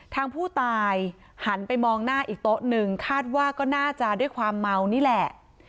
ทางผู้ตายหันไปมองหน้าอีกโต๊ะหนึ่งคาดว่าก็น่าจะด้วยความเมานี่แหละ